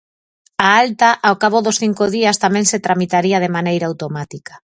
A alta, ao cabo dos cinco días, tamén se tramitaría de maneira automática.